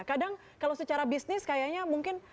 kadang kalau secara bisnis kayaknya mungkin